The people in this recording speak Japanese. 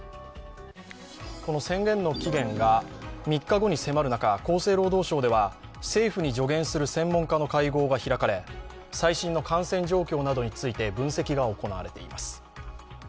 この宣言の期限が３日後に迫る中、厚生労働省では政府に助言する専門家の会合が開かれ最新の感染状況などについて分析が行われています。